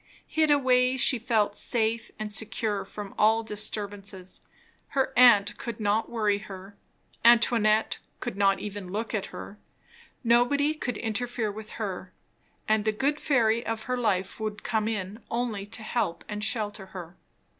Hid away, she felt; safe and secure from all disturbances; her aunt could not worry her, Antoinette could not even look at her; nobody could interfere with her; and the good fairy of her life would come in only to help and shelter her.